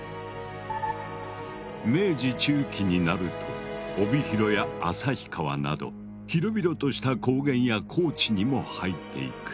明治中期になると帯広や旭川など広々とした高原や高地にも入っていく。